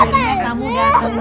akhirnya kamu datang juga ya sayang